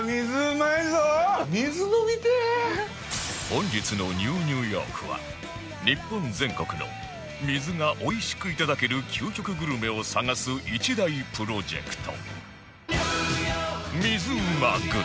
本日の『ＮＥＷ ニューヨーク』は日本全国の水がおいしくいただける究極グルメを探す一大プロジェクト